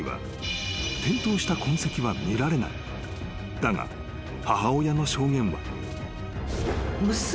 ［だが母親の証言は］